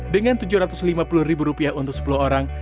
dengan tujuh ratus lima puluh ribu rupiah untuk sepuluh orang